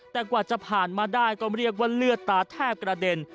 แต่กว่าจะผ่านมาได้ก็เรียกว่าเลือดตาแทบกระเด็น